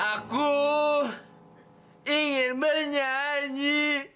aku ingin bernyanyi